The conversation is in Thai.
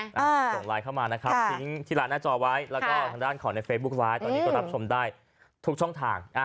ส่งไลน์เข้ามานะครับทิ้งที่ร้านหน้าจอไว้แล้วก็ทางด้านของในเฟซบุ๊คไลน์ตอนนี้ก็รับชมได้ทุกช่องทาง